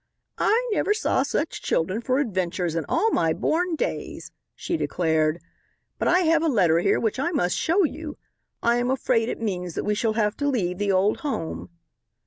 "I never saw such children for adventures in all my born days," she declared, "but I have a letter here which I must show you. I am afraid it means that we shall have to leave the old home."